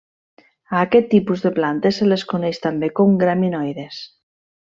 A aquest tipus de plantes se les coneix també com graminoides.